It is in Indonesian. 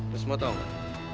lu semua tau gak